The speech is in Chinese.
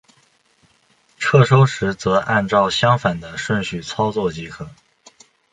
撤收时则按照相反的顺序操作即可。